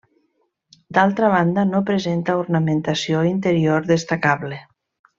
D'altra banda no presenta ornamentació interior destacable.